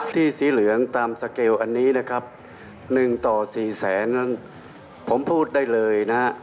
สีเหลืองตามสเกลอันนี้นะครับ๑ต่อ๔แสนนั้นผมพูดได้เลยนะฮะ